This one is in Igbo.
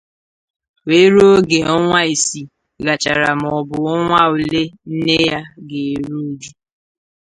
wee ruo oge ọnwa isii gachara maọbụ ọnwa ole nne ya ga-eru uju